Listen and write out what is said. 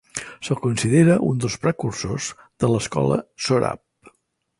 Se'l considera un dels precursors de l'escola sòrab.